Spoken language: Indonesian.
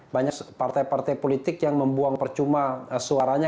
banyak partai partai politik yang membuang percuma suaranya